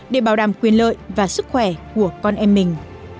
để bảo đảm quyền lợi và sức khỏe của con em mình